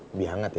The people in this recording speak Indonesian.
lebih hangat ya